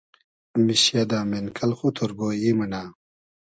میشیۂ دۂ مېنکئل خو تۉرگۉیی مونۂ